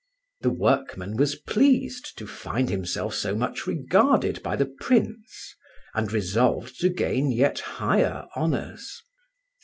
The workman was pleased to find himself so much regarded by the Prince, and resolved to gain yet higher honours.